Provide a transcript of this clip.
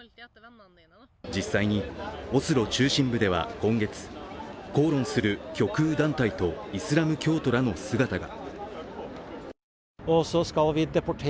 実際にオスロ中心部では今月、口論する極右団体とイスラム教徒らの姿が。